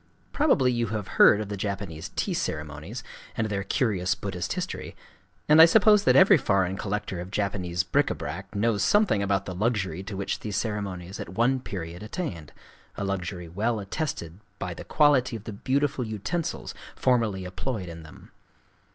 Probably you have heard of the Japanese tea ceremonies, and their curious Buddhist history; and I suppose that every foreign collector of Japanese bric à brac knows something about the luxury to which these ceremonies at one period attained,—a luxury well attested by the quality of the beautiful utensils formerly employed in them.